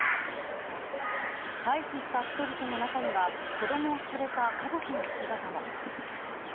退避した人々の中には子供を連れた家族の姿も。